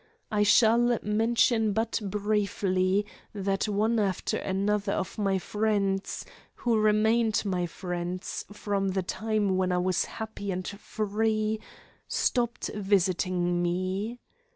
I shall mention but briefly that one after another my friends, who remained my friends from the time when I was happy and free, stopped visiting me.